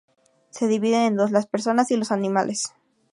Se dividen en dos: las personas y los animales.